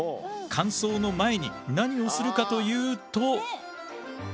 乾燥の前に何をするかというと。